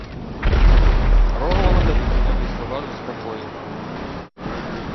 Рогволода відунові слова заспокоїли.